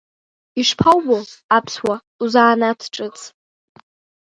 Ишԥоубо, аԥсуа, узанааҭ ҿыц?